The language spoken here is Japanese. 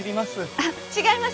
あっ違います。